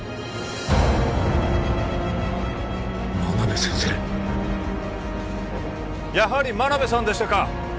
真鍋先生やはり真鍋さんでしたか！